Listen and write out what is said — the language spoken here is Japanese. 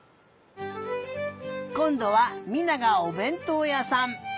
こんどは美菜がおべんとうやさん。